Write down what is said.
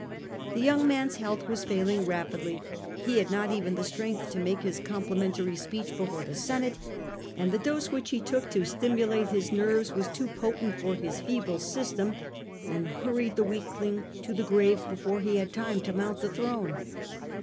The young man's health was fail ^.D. 138, rapidly ; he had not even strength to make his complimentary speech before the Senate, and the dose which he took to stimulate his nerves was too potent for his feeble system, and hurried the weakling to the grave before he had time to mount the throne.